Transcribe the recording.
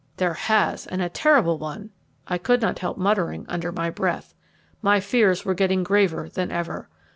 "There has, and a terrible one," I could not help muttering under my breath. My fears were getting graver than ever.